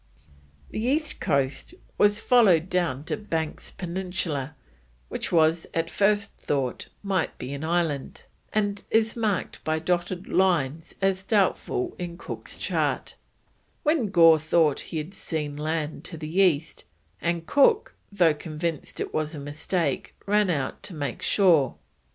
The east coast was followed down to Banks Peninsula, which was at first thought might be an island, and is marked by dotted lines as doubtful in Cook's chart, when Gore thought he had seen land to the east, and Cook, though convinced it was a mistake, ran out to make sure.